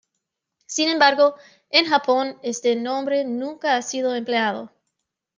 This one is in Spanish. Sin embargo, en Japón este nombre nunca ha sido empleado.